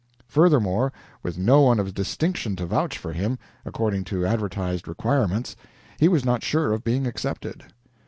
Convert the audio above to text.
Furthermore, with no one of distinction to vouch for him, according to advertised requirements, he was not sure of being accepted.